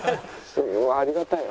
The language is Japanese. ありがたい。